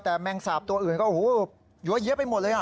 แต่แมงสับตัวอื่นก็เยอะไปหมดเลย